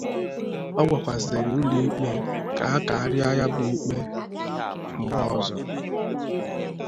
ọ gwakwazịrị ụlọikpe ka a kàgharịa ya bụ ikpe mgbe ọzọ